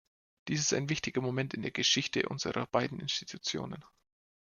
Dies ist ein wichtiger Moment in der Geschichte unserer beiden Institutionen.